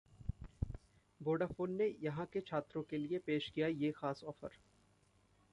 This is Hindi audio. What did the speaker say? Vodafone ने यहां के छात्रों के लिए पेश किया ये खास ऑफर